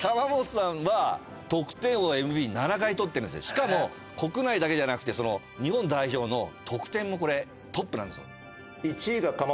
しかも国内だけじゃなくて日本代表の得点もこれトップなんですよ。